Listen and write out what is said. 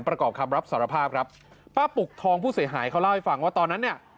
ประกอบคำรับสารภาพครับป้าปุกทองผู้เสียหายเขาเล่าให้ฟังว่าตอนนั้นเนี่ย